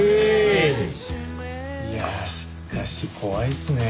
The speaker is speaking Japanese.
いやしかし怖いですね。